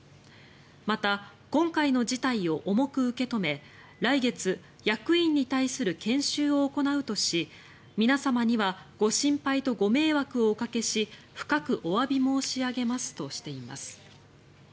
また、今回の事態を重く受け止め来月役員に対する研修を行うとし皆様にはご心配とご迷惑をおかけし深くおわび申し上げますとしています。